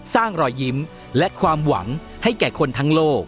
รอยยิ้มและความหวังให้แก่คนทั้งโลก